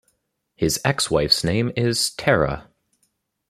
His ex-wife's name is Tara.